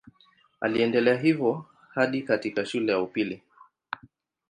Aliendelea hivyo hadi katika shule ya upili.